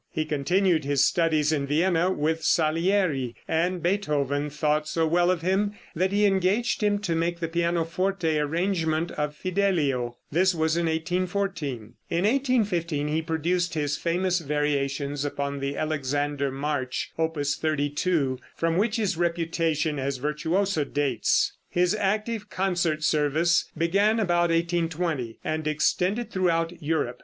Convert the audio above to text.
He continued his studies in Vienna with Salieri, and Beethoven thought so well of him that he engaged him to make the pianoforte arrangement of "Fidelio." This was in 1814. In 1815 he produced his famous variations upon the Alexander march, Opus 32, from which his reputation as virtuoso dates. His active concert service began about 1820, and extended throughout Europe.